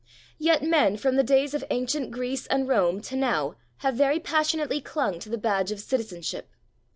Yet men from the days of ancient Greece and Rome to now have very passionately clung to the badge of citizenship.